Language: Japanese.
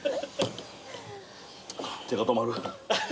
手が止まる。